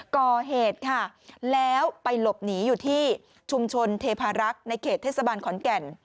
ก่อเหตุค่ะแล้วไปหลบหนีอยู่ที่ชุมชนเทพารักษ์ในเขตเทศบาลขอนแก่น